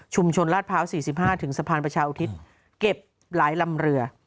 ชนลาดพร้าว๔๕ถึงสะพานประชาอุทิศเก็บหลายลำเรือ